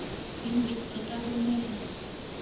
Һин бит тота белмәйһең.